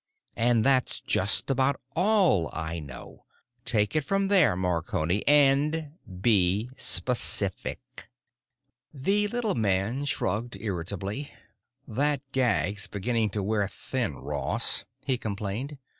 And that's just about all I know. Take it from there, Marconi. And be specific." The little man shrugged irritably. "That gag's beginning to wear thin, Ross," he complained.